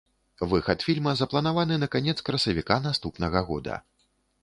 Выхад фільма запланаваны на канец красавіка наступнага года.